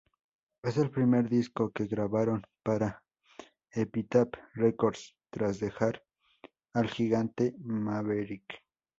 Es el primer disco que grabaron para Epitaph Records, tras dejar al gigante Maverick.